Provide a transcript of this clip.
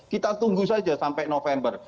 kita tunggu saja sampai november